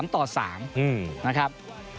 ๓ต่อ๓นะครับ